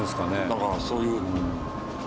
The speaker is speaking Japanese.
だからそういう事。